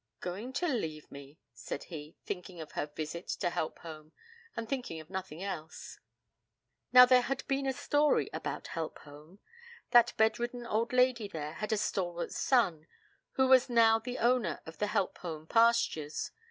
'Going to leave me,' said he, thinking of her visit to Helpholme, and thinking of nothing else. Now there had been a story about Helpholme. That bedridden old lady there had a stalwart son, who was now the owner of the Helpholme pastures.